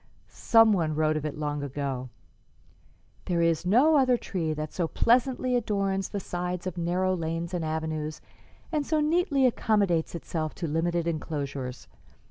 Some one wrote of it long ago: 'There is no other tree that so pleasantly adorns the sides of narrow lanes and avenues, and so neatly accommodates itself to limited enclosures.